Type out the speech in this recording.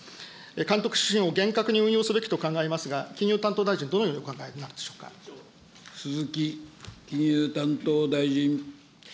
監督指針を厳格に運用すべきと考えますが、金融担当大臣、鈴木金融担当大臣。